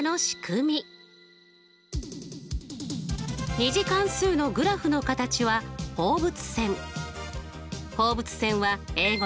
２次関数のグラフの形は放物線。